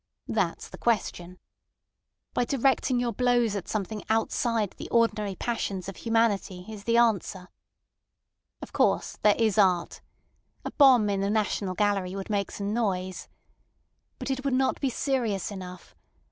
That's the question. By directing your blows at something outside the ordinary passions of humanity is the answer. Of course, there is art. A bomb in the National Gallery would make some noise. But it would not be serious enough.